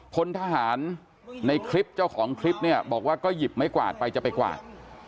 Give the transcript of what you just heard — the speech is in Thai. พลทหารในคลิปเจ้าของคลิปเนี่ยบอกว่าก็หยิบไม้กวาดไปจะไปกวาด